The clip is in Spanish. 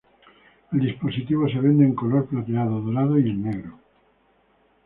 El dispositivo se vende en color Plateado Dorado y en Negro.